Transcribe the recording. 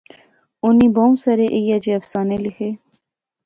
اُنی بہوں سارے ایہہ جئے افسانے لیخے